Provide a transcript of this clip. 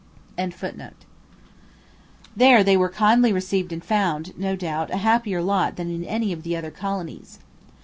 '] There they were kindly received and found, no doubt, a happier lot than in any of the other colonies.